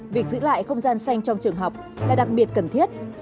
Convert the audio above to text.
việc giữ lại không gian xanh trong trường học là đặc biệt cần thiết